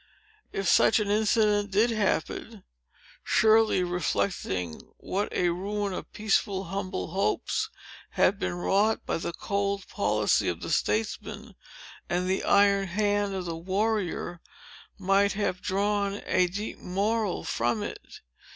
If such an incident did happen, Shirley, reflecting what a ruin of peaceful and humble hopes had been wrought by the cold policy of the statesman, and the iron hand of the warrior, might have drawn a deep moral from it.